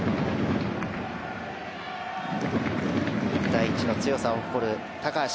１対１の強さを誇る高橋。